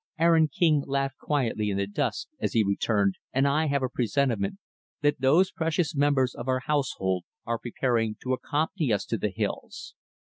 Aaron King laughed quietly in the dusk, as he returned "And I have a presentiment that those precious members of our household are preparing to accompany us to the hills.